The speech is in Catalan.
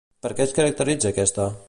Per què es caracteritza aquesta?